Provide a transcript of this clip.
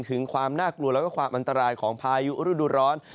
ถึงความน่ากลัวแล้วก็ความอันตรายของพายุฤดูร้อน